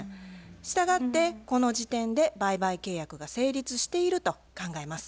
したがってこの時点で売買契約が成立していると考えます。